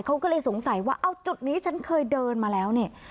เขาก็เลยสงสัยว่าจุดนี้ฉันเคยเดินมาแล้ว